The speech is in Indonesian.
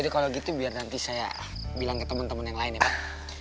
jadi kalau gitu biar nanti saya bilang ke temen temen yang lain ya pak